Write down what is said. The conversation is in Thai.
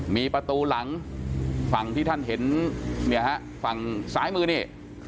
มีประตูหลังฝั่งที่ท่านเห็นเนี่ยฮะฝั่งซ้ายมือนี่